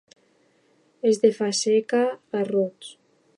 Els de Fageca, garruts.